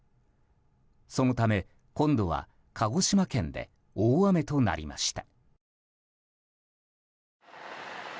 そのため今度は鹿児島県で大雨となりました。